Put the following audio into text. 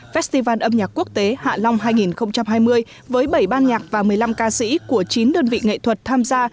festival âm nhạc quốc tế hạ long hai nghìn hai mươi với bảy ban nhạc và một mươi năm ca sĩ của chín đơn vị nghệ thuật tham gia